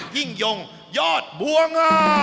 ยิ่งยงยอดบัวงาม